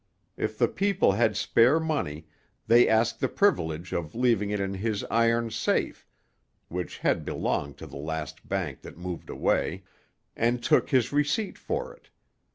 If the people had spare money, they asked the privilege of leaving it in his iron safe (which had belonged to the last bank that moved away), and took his receipt for it.